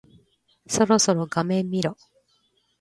そろそろ画面見ろ。